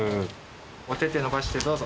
お手々伸ばしてどうぞ。